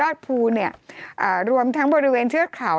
จำกัดจำนวนได้ไม่เกิน๕๐๐คนนะคะ